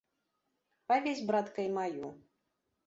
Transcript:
Павесь, братка, і маю.